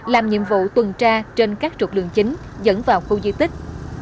làm nhiệm vụ tuần tra trên các trục đường chính dẫn vào khu di tích